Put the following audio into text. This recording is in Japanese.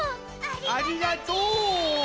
ありがとち！